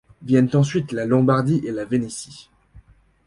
Viennent ensuite la Lombardie et la Vénétie.